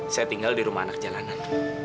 saya tinggal di rumah anak jalanan